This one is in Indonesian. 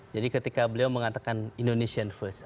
jadi ketika beliau mengatakan indonesian first